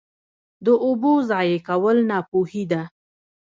د اوبو ضایع کول ناپوهي ده.